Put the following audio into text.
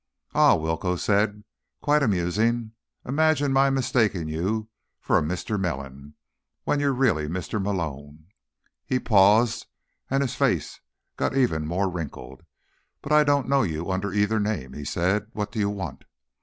"Ah," Willcoe said. "Quite amusing. Imagine my mistaking you for a Mr. Melon, when you're really Mr. Malone." He paused, and his face got even more wrinkled. "But I don't know you under either name," he said. "What do you want?"